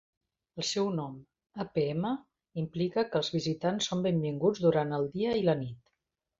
El seu nom, "apm", implica que els visitants són benvinguts durant el dia i la nit.